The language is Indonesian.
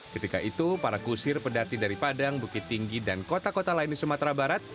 ketika itu para kusir pedati dari padang bukit tinggi dan kota kota lain di sumatera barat